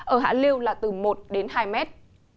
ở hạ lưu là từ một đến hai mét